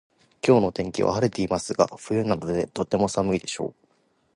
今日の天気は晴れてますが冬なのでとても寒いでしょう